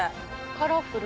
カラフル。